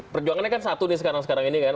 perjuangannya kan satu nih sekarang sekarang ini kan